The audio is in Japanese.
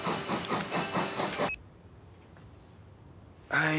はい。